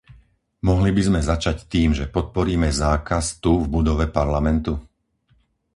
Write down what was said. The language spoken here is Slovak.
Mohli by sme začať tým, že podporíme zákaz tu v budove Parlamentu?